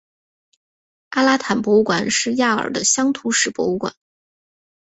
阿拉坦博物馆是亚尔的乡土史博物馆。